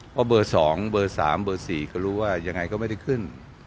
เพราะเบอร์สองเบอร์สามเบอร์สี่เขารู้ว่ายังไงก็ไม่ได้ขึ้น